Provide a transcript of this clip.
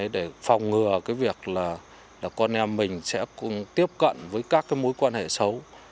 để phòng ngừa việc con em mình sẽ tiếp cận với các mối quan hệ xấu